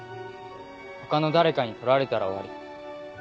他の誰かに取られたら終わり。